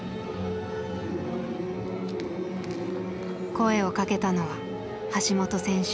声をかけたのは橋本選手。